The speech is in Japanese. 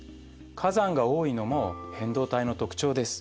火山が多いのも変動帯の特徴です。